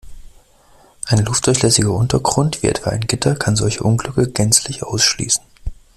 Ein luftdurchlässiger Untergrund, wie etwa ein Gitter, kann solche Unglücke gänzlich ausschließen.